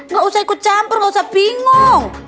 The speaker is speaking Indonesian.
gak usah ikut campur nggak usah bingung